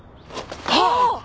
あっ！